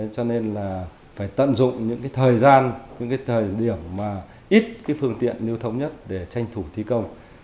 cho nên là phải tận dụng những cái thời gian những cái thời điểm mà ít cái phương tiện lưu thống nhất để tranh thủ thi công